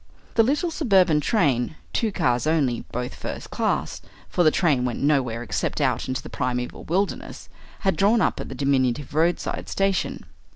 The little suburban train two cars only, both first class, for the train went nowhere except out into the primeval wilderness had drawn up at the diminutive roadside station.